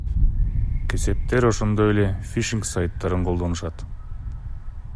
Кесептер ошондой эле, фишинг сайттарын колдонушат.